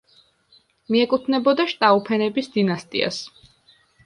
მიეკუთვნებოდა შტაუფენების დინასტიას.